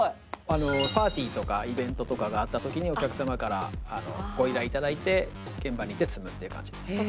パーティーとかイベントとかがあった時にお客様からご依頼いただいて現場に行って積むっていう感じです。